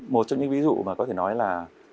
một trong những ví dụ mà có thể nói là